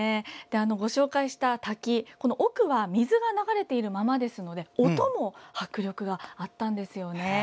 ご紹介した滝、奥は水が流れているままですので音も迫力があったんですよね。